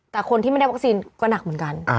แต่คนที่ไม่ได้วัคซีนก็หนักเหมือนกัน